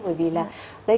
sư phụ rất là hay